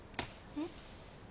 えっ？